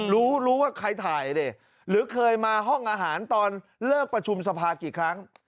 รู้รู้ว่าใครถ่ายดิหรือเคยมาห้องอาหารตอนเลิกประชุมสภากี่ครั้ง